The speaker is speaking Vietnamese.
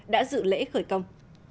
đã dự lễ khởi công